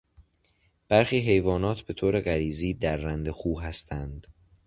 برخی حیوانات به طور غریزی درنده خو هستند.